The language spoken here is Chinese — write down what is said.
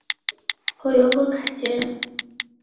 后由翁楷接任。